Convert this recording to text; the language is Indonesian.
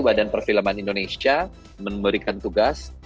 badan perfilman indonesia memberikan tugas